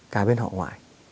cả biên họ ngoại